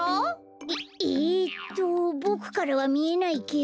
えっえとボクからはみえないけど。